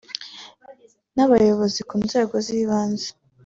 n’Abayobozi ku nzego z’ibanze